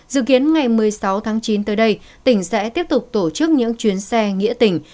dự kiến ngày một mươi sáu tháng chín tới đây tỉnh sẽ tiếp tục tổ chức những chuyến xe nghĩa tỉnh